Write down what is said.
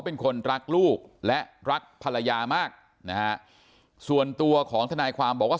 เป็นคนรักลูกและรักภรรยามากนะฮะส่วนตัวของทนายความบอกว่า